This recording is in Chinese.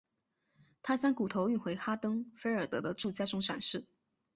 他将骨头运回哈登菲尔德的住家中展示。